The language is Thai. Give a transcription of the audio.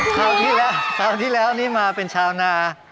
คราวที่แล้วคราวที่แล้วนี่มาเป็นชาวนา